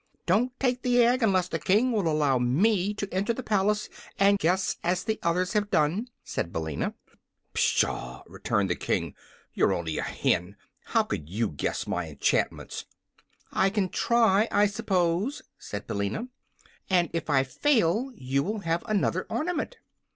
"Don't take the egg unless the King will allow me to enter the palace and guess as the others have done," said Billina. "Pshaw!" returned the King. "You're only a hen. How could you guess my enchantments?" "I can try, I suppose," said Billina. "And, if I fail, you will have another ornament."